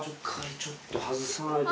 ちょっと外さないと。